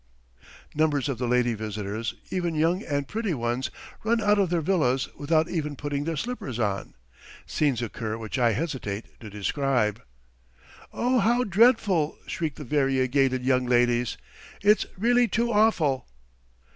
Numbers of the lady visitors, even young and pretty ones, run out of their villas without even putting their slippers on. Scenes occur which I hesitate to describe. "Oh, how dreadful!" shriek the variegated young ladies. "It's really too awful!"